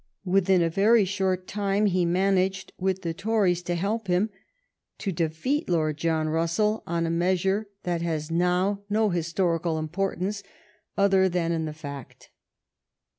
Within a very short time he managed, with the Tories to help him, to defeat Lord John Russell on a measure that has now no histori cal importance other than in that fact.